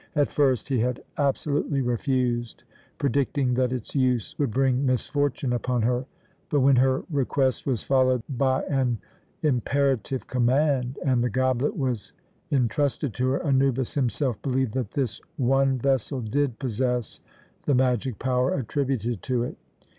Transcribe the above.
At first he had absolutely refused, predicting that its use would bring misfortune upon her; but when her request was followed by an imperative command, and the goblet was entrusted to her, Anubis himself believed that this one vessel did possess the magic power attributed to it.